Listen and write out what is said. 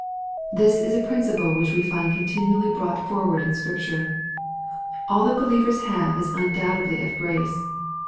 This is a principle which we find continually brought forward in Scripture. All that believers have is un doubtedly of grace.